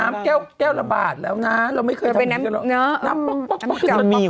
น้ำแก้วละบาทแล้วนะเราไม่เคยทำแบบนี้